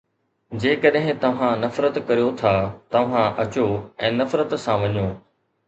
جيڪڏھن توھان نفرت ڪريو ٿا، توھان اچو ۽ نفرت سان وڃو